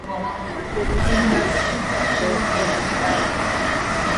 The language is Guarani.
Florenciape hembiapo porãitáre.